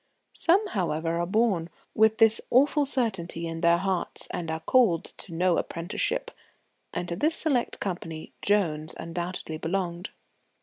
Some, however, are born with this awful certainty in their hearts, and are called to no apprenticeship, and to this select company Jones undoubtedly belonged.